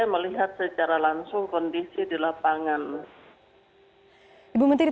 melihat secara langsung kondisi di lapangan